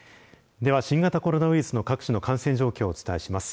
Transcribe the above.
では新型コロナウイルスの各地の感染状況をお伝えします。